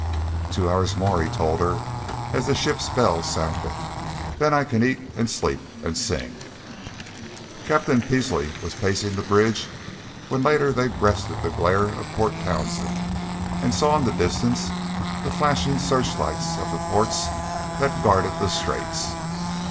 "Two hours more," he told her, as the ship's bell sounded. "Then I can eat and sleep and sing." Captain Peasley was pacing the bridge when later they breasted the glare of Port Townsend and saw in the distance the flashing searchlights of the forts that guard the Straits.